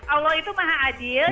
allah itu maha adil